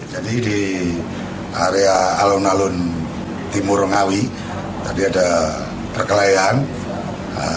jadi di area alun alun timur ngawi tadi ada perkelayanan